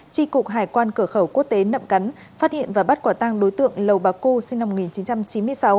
tri cục hải quan cửa khẩu quốc tế nậm cắn phát hiện và bắt quả tăng đối tượng lầu bà cu sinh năm một nghìn chín trăm chín mươi sáu